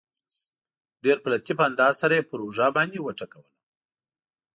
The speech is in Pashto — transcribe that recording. ډېر په لطیف انداز سره یې پر اوږه باندې وټکولم.